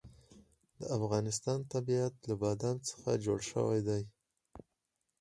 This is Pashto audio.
د افغانستان طبیعت له بادام څخه جوړ شوی دی.